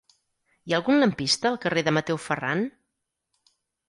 Hi ha algun lampista al carrer de Mateu Ferran?